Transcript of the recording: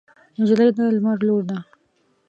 نجلۍ د لمر لور ده.